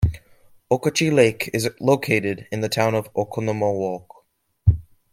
Okauchee Lake is located in the town of Oconomowoc.